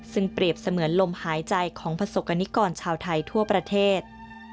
ซึ่งเปรียบเสมือนลมหายใจของประสบกรณิกรชาวไทยทั่วประเทศ